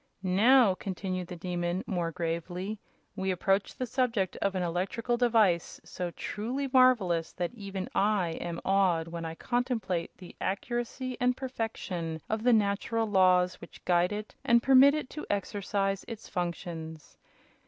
"Now," continued the Demon, more gravely, "we approach the subject of an electrical device so truly marvelous that even I am awed when I contemplate the accuracy and perfection of the natural laws which guide it and permit it to exercise its functions.